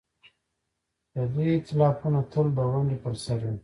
د دوی ائتلافونه تل د ونډې پر سر وي.